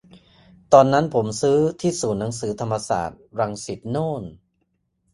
ตอนนั้นผมซื้อที่ศูนย์หนังสือธรรมศาสตร์ รังสิตโน่น